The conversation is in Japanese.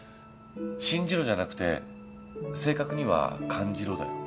「信じろ」じゃなくて正確には「感じろ」だよ。